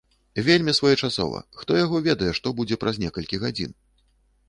Вельмі своечасова, хто яго ведае, што будзе праз некалькі гадзін.